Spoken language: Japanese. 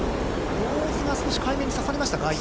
ノーズが少し海面に刺さりましたか、今。